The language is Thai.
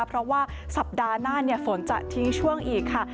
เพราะว่าสัปดาห์หน้าฝนจะทิ้งช่วงอีกค่ะ